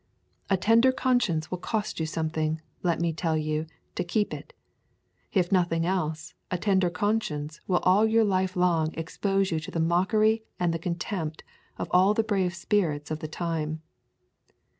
A tender conscience will cost you something, let me tell you, to keep it. If nothing else, a tender conscience will all your life long expose you to the mockery and the contempt of all the brave spirits of the time.